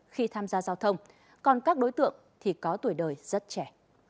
khi tham gia giao thông còn các đối tượng thì có tuổi đời rất trẻ